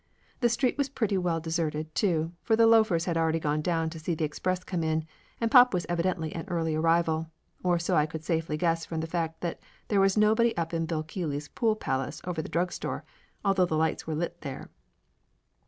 The street was pretty well de serted, too, for the loafers was already gone down to see the express come in, and pop was evidently an early arrival, or so I could safely guess from the fact that there was nobody up in Bill Kelly's pool palace over the drug store, although the lights were lit there.